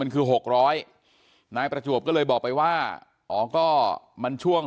คือ๖๐๐นายประจวบก็เลยบอกไปว่าอ๋อก็มันช่วง